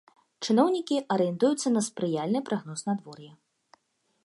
Чыноўнікі арыентуюцца на спрыяльны прагноз надвор'я.